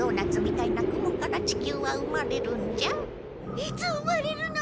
いつ生まれるの？